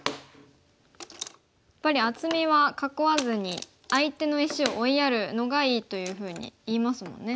やっぱり厚みは囲わずに相手の石を追いやるのがいいというふうにいいますもんね。